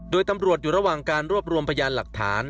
โดยตำรวจอยู่ระหว่างการรวบรวมพยานหลักฐาน